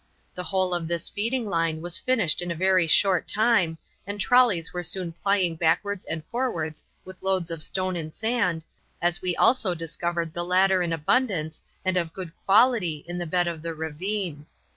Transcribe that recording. The whole of this feeding line was finished in a very short time, and trollies were soon plying backwards and forwards with loads of stone and sand, as we also discovered the latter in abundance and of good quality in the bed of the ravine.